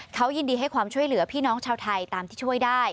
เขายินดีให้ความช่วยเหลือพี่น้องชาวไทยตามที่ช่วยได้